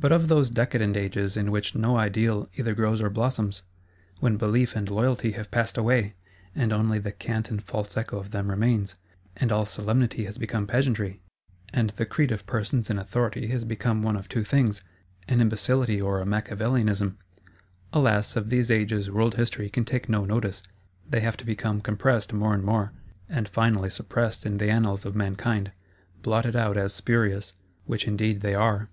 But of those decadent ages in which no Ideal either grows or blossoms? When Belief and Loyalty have passed away, and only the cant and false echo of them remains; and all Solemnity has become Pageantry; and the Creed of persons in authority has become one of two things: an Imbecility or a Macchiavelism? Alas, of these ages World History can take no notice; they have to become compressed more and more, and finally suppressed in the Annals of Mankind; blotted out as spurious,—which indeed they are.